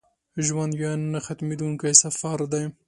ژوند یو نه ختمېدونکی سفر دی.